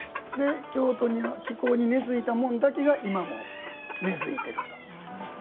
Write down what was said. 京都の気候に根づいたものだけが今も根づいていると。